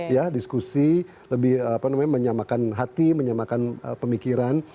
ya diskusi lebih apa namanya menyamakan hati menyamakan pemikiran